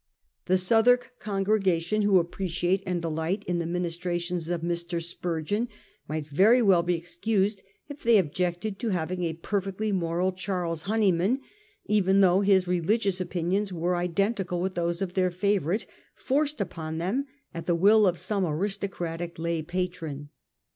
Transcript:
The Southwark congregation who appreciate and delight in the ministrations of Mr. Spurgeon might very well be excused if they objected to having a perfectly moral Charles Honeyman, even though his religious opinions were identical with those of their favourite, forced upon them at the will of some aristocratic lay patron.